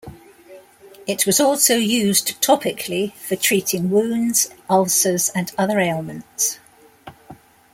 It was also used topically for treating wounds, ulcers and other ailments.